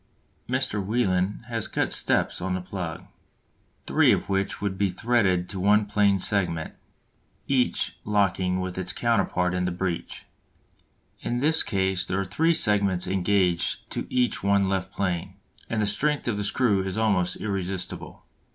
Mr. Welin has cut steps on the plug, three of which would be threaded to one plane segment, each locking with its counterpart in the breech. In this case there are three segments engaged to each one left plane, and the strength of the screw is almost irresistible.